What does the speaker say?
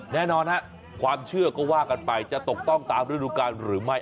แน่นอนฮะความเชื่อก็ว่ากันไปจะตกต้องตามฤดูการหรือไม่